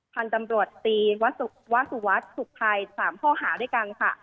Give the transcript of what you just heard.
พันธุ์ตำรวจตีวสุวัสดิ์สุขภัย๓ข้อหาด้วยกันค่ะ